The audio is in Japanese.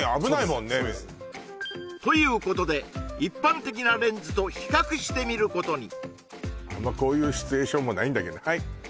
そうですそうですということで一般的なレンズと比較してみることにあんまこういうシチュエーションもないんだけどはい